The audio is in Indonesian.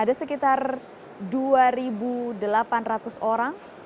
ada sekitar dua delapan ratus orang